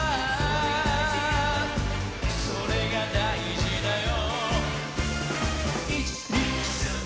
「それが大事だよ」